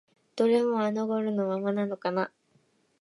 どれもあの頃のままなのかな？